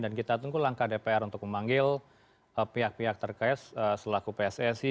dan kita tunggu langkah dpr untuk memanggil pihak pihak terkes selaku pssi